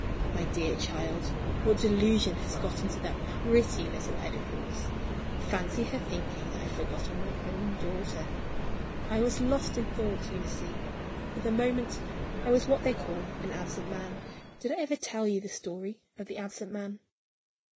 "My dear child, what delusion has got into that pretty little head of yours? Fancy her thinking that I had forgotten my own daughter! I was lost in thought, Eunice. For the moment, I was what they call an absent man. Did I ever tell you the story of the absent man?